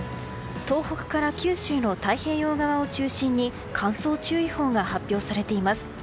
東北から九州の太平洋側を中心に乾燥注意報が発表されています。